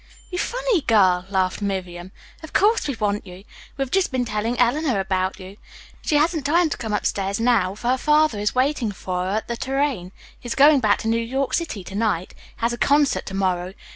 "You funny girl," laughed Miriam. "Of course we want you. We have just been telling Eleanor about you. She hasn't time to come upstairs now, for her father is waiting for her at the 'Tourraine.' He is going back to New York City to night. He has a concert to morrow.